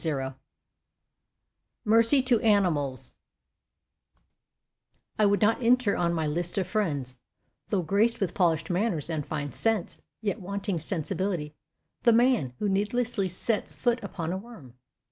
Emerson MERCY TO ANIMALS I would not enter on my list of friends (Though graced with polished manners and fine sense, Yet wanting sensibility) the man Who needlessly sets foot upon a worm.